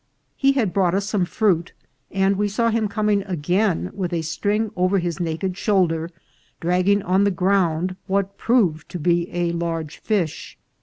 He had brought us some fruit, and we saw him coming again with a string over his naked shoulder, dragging on the ground what proved to be a large fish.